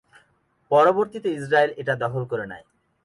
পরবর্তীতে ইজরায়েল এটা দখল করে নেয়।